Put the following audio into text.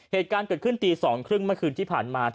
เหตุการณ์เกิดขึ้นตี๒๓๐เมื่อคืนที่ผ่านมา